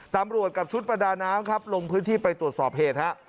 ตำรวจกับชุดประดาน้ำครับลงพื้นที่ไปตรวจสอบเหตุฮะ